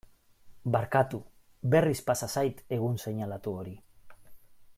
Barkatu, berriz pasa zait egun seinalatu hori.